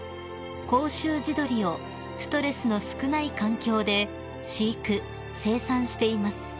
甲州地どりをストレスの少ない環境で飼育・生産しています］